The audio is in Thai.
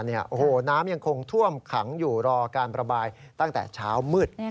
โอ้โหน้ำยังคงท่วมขังอยู่รอการประบายตั้งแต่เช้ามืด